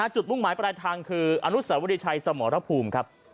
จุดมุ่งหมายปลายทางคืออนุสาวริทัยสมรภูมิ